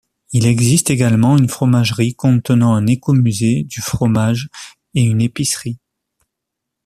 Il existe également une fromagerie, contenant un éco-musée du fromage et une épicerie.